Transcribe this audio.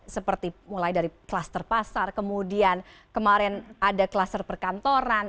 seperti mulai dari kluster pasar kemudian kemarin ada kluster perkantoran